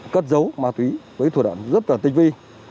cất dấu ma túy với thủ đoạn rất là tinh vi